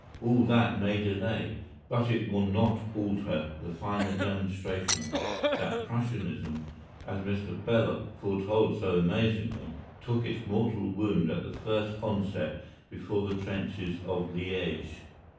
All that may delay, but it will not alter the final demonstration that Prussianism, as Mr. Belloc foretold so amazingly, took its mortal wound at the first onset before the trenches of Liège.